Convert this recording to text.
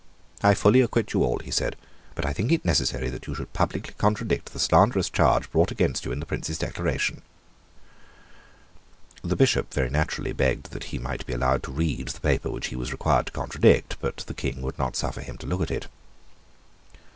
"I fully acquit you all," he said. "But I think it necessary that you should publicly contradict the slanderous charge brought against you in the Prince's declaration." The Bishop very naturally begged that he might be allowed to read the paper which he was required to contradict; but the King would not suffer him to look at it.